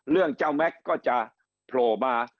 เรื่องเจ้าแม็กซ์ก็จะโผล่มา